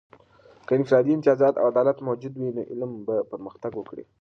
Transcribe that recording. که د انفرادي امتیازات او عدالت موجود وي، نو علم به پرمختګ وکړي.